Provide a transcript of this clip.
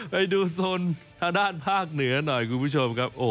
ไปดูโซนทางด้านภาคเหนือหน่อยคุณผู้ชมครับ